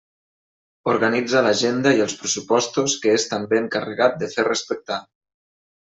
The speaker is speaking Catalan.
Organitza l'agenda i els pressupostos que és també encarregat de fer respectar.